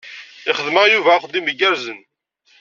Ixdem-aɣ Yuba axeddim igerrzen.